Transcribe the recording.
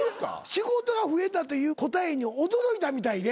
仕事が増えたっていう答えに驚いたみたいで。